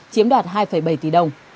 chiếm đoạt hai bảy tỷ đồng